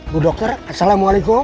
bu dokter assalamualaikum